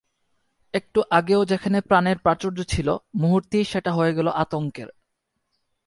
একটু আগেও যেখানে প্রাণের প্রাচুর্য ছিল, মুহূর্তেই সেটা হয়ে গেল আতঙ্কের।